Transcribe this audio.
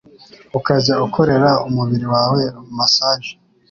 ukajya ukorera umubiri wawe masage